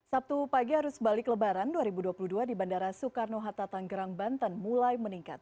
sabtu pagi arus balik lebaran dua ribu dua puluh dua di bandara soekarno hatta tanggerang banten mulai meningkat